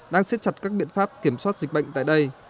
đang siết chặt các biện pháp kiểm soát dịch bệnh tại đây